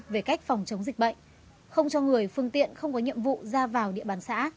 về cách phòng chống dịch bệnh không cho người phương tiện không có nhiệm vụ ra vào địa bàn xã